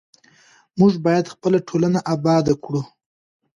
موږ باید خپله ټولنه اباده کړو.